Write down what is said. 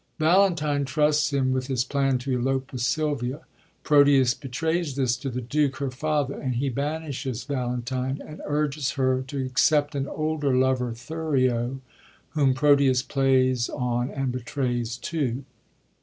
Valentine trusts him with his plan to elope with Sylvia. Proteus betrays this to the Duke her father, and he banishes Valentine, and urges her to accept an older lover, Thurio, whom Proteus plays on and betrays too.